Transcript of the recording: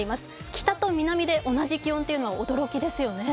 北と南で同じ気温というのは驚きですよね。